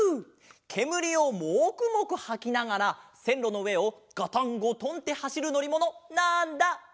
けむりをモクモクはきながらせんろのうえをガタンゴトンってはしるのりものなんだ？